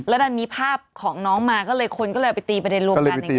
แล้วดันมีภาพของน้องมาก็เลยคนก็เลยเอาไปตีประเด็นรวมกันอย่างนี้